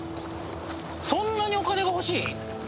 そんなにお金が欲しい？